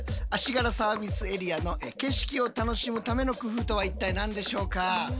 足柄サービスエリアの景色を楽しむための工夫とは一体何でしょうか？